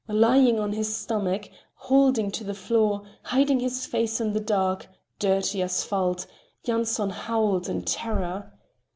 Lying on his stomach, holding to the floor, hiding his face in the dark, dirty asphalt, Yanson howled in terror.